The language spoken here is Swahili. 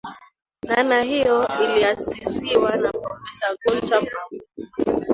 Dhana hiyo iliasisiwa na profesa Gunter Pauli